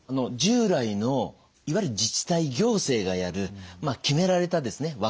従来のいわゆる自治体行政がやる決められたですね